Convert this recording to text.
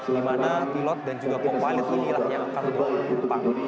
di mana pilot dan juga pokok walid inilah yang akan berupang